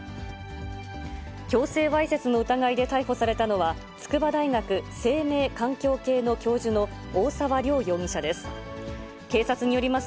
強制わいせつの疑いで逮捕されたのは、筑波大学生命環境系の教授の大沢良容疑者です。